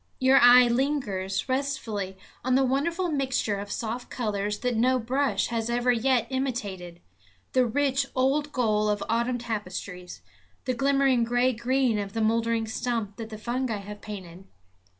Your eye lingers restfully on the wonderful mixture of soft colors that no brush has ever yet imitated, the rich old gold of autumn tapestries, the glimmering gray green of the mouldering stump that the fungi have painted.